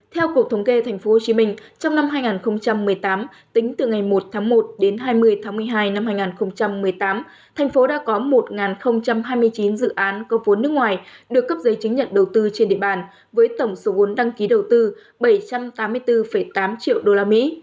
theo cục thống kê thành phố hồ chí minh trong năm hai nghìn một mươi tám tính từ ngày một tháng một đến hai mươi tháng một mươi hai năm hai nghìn một mươi tám thành phố đã có một hai mươi chín dự án có vốn nước ngoài được cấp giấy chứng nhận đầu tư trên địa bàn với tổng số vốn đăng ký đầu tư bảy trăm tám mươi bốn tám triệu usd